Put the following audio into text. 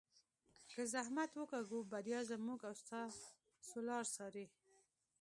که زحمت وکاږو بریا زموږ او ستاسو لار څاري.